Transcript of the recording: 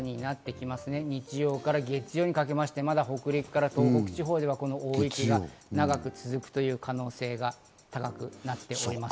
日曜から月曜にかけましてまだ北陸から東北地方では大雪が長く続く可能性が高くなっています。